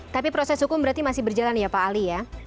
tapi proses hukum berarti masih berjalan ya pak ali ya